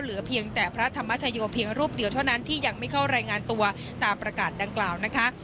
เหลือเพียงแต่พระธรรมชโยเพียงรูปเดียวเท่านั้นที่ยังไม่เข้ารายงานตัวตามประกาศดังกล่าวนะคะ